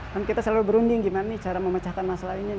dan kita selalu berunding gimana nih cara memecahkan masalah ini